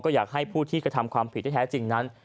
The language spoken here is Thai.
อยากให้ผู้ที่กระทำความผิดที่แท้จริงนั้น